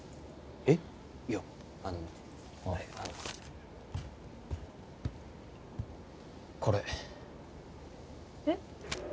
えっいやあの悪いこれえっ？